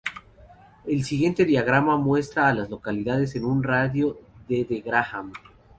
El siguiente diagrama muestra a las localidades en un radio de de Graham.